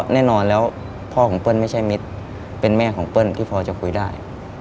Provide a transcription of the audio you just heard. แน่นอนแล้วพ่อของเปิ้ลไม่ใช่มิตรเป็นแม่ของเปิ้ลที่พอจะคุยได้